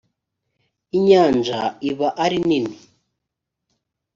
inyanja iba arinini.